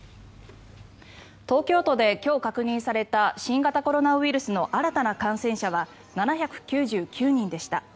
東京都で今日確認された新型コロナウイルスの新たな感染者は７９９人でした。